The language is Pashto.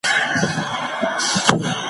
له چینې به دي ساړه سیوري ټولیږي ,